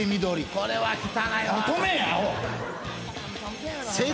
これは汚いわ。